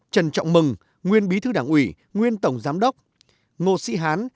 trần trọng mừng nguyên bí thư đảng ủy nguyên tổng giám đốc ngô sĩ hán